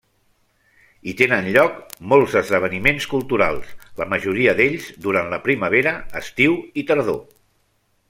Hi tenen lloc molts esdeveniments culturals, la majoria d'ells durant la primavera, estiu i tardor.